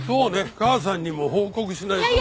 母さんにも報告しないとな。